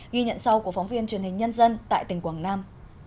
ghi nhận sau của phóng viên truyền hình nhân dân tại tỉnh quảng nam